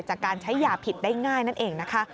จากการใช้ยาผิดได้ง่ายนั่นเองนะคะ